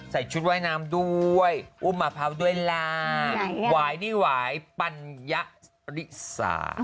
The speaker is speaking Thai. ใส่ชุดว่ายน้ำด้วยอุ้มมะพร้าวด้วยล่ะหวายนี่หวายปัญญาสริสา